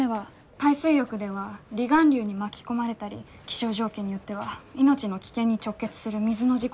海水浴では離岸流に巻き込まれたり気象条件によっては命の危険に直結する水の事故が起きがちです。